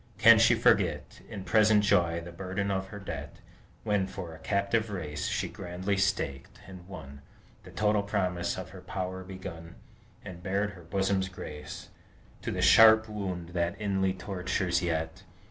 Can she forget, In present joy, the burden of her debt, When for a captive race She grandly staked, and won, The total promise of her power begun, And bared her bosom's grace To the sharp wound that inly tortures yet?